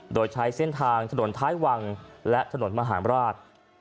โดยใช้เส้นทางถนนท้ายวังและถนนมหาราช